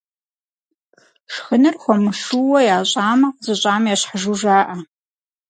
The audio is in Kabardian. Шхыныр хуэмышууэ ящӀамэ, зыщӀам ещхьыжу жаӀэ.